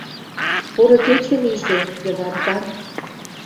Поро кече лийже, Йыван таҥ!